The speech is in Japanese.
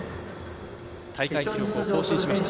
大会記録を更新しました。